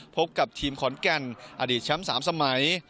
พบกับทีมขอนแก่นอดีตช้ำสามสมัย